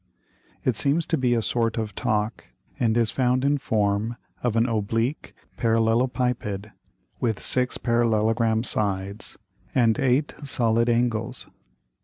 It seems to be a sort of Talk, and is found in form of an oblique Parallelopiped, with six parallelogram Sides and eight solid Angles.